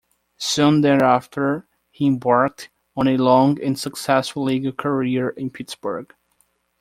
Soon thereafter, he embarked on a long and successful legal career in Pittsburgh.